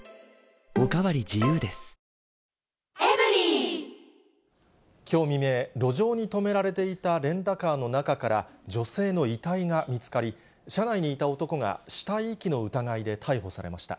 ２１きょう未明、路上に止められていたレンタカーの中から女性の遺体が見つかり、車内にいた男が死体遺棄の疑いで逮捕されました。